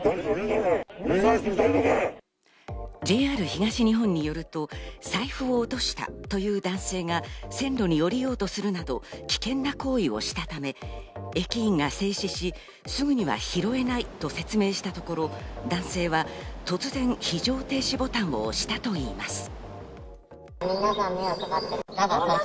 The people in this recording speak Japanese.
ＪＲ東日本によると、財布を落としたという男性が線路に降りようとするなど危険な行為をしたため駅員が制止し、すぐには拾えないと説明したところ、男性は突然、非常停止ボタンを押したといいます。